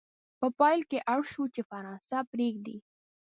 په پایله کې اړ شو چې فرانسه پرېږدي.